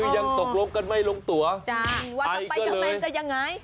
ยังตกลงกันไม่ลงตัวไอก็เลยวันต่อไปกำแหนจะยังไง